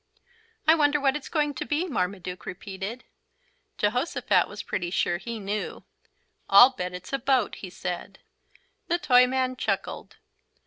"I wonder what it's going to be," Marmaduke repeated. Jehosophat was pretty sure he knew. "I'll bet it's a boat," he said. The Toyman chuckled.